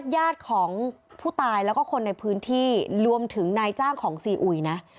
ญาติของผู้ตายแล้วก็คนในพื้นที่รวมถึงนายจ้างของซีอุยนะ